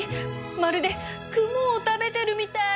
まるで雲を食べてるみたい